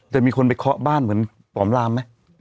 แต่มีคนไปเคาะบ้านเหมือนปอ๋อมลามมั้ย